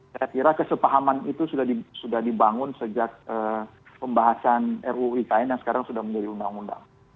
saya kira kesepahaman itu sudah dibangun sejak pembahasan ruu ikn yang sekarang sudah menjadi undang undang